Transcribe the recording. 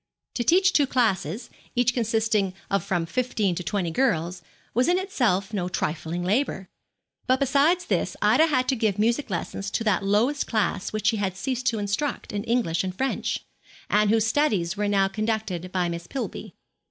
To teach two classes, each consisting of from fifteen to twenty girls, was in itself no trifling labour. But besides this Ida had to give music lessons to that lowest class which she had ceased to instruct in English and French, and whose studies were now conducted by Miss Pillby.